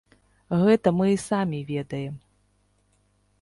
Гэта мы і самі ведаем.